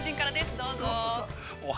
どうぞ。